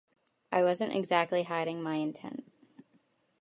I wasn't exactly hiding my intent.